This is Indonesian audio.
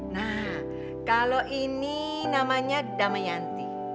nah kalau ini namanya damayanti